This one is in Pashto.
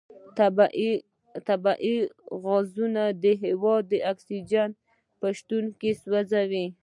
طبیعي غازونه د هوا د اکسیجن په شتون کې سوځي.